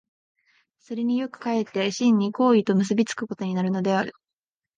それによって却って真に行為と結び付くことになるのである。